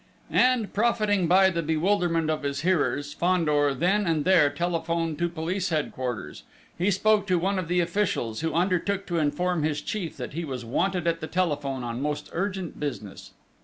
And profiting by the bewilderment of his hearers, Fandor, then and there, telephoned to Police Headquarters; he spoke to one of the officials, who undertook to inform his chief that he was wanted at the telephone on most urgent business.